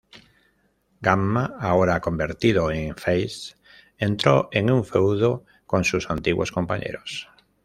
Gamma, ahora convertido en face, entró en un feudo con sus antiguos compañeros.